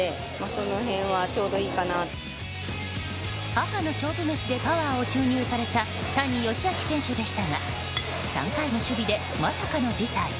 母の勝負メシでパワーを注入された谷佳亮選手でしたが３回の守備で、まさかの事態。